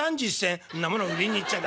「そんなもの売りに行っちゃ駄目だ。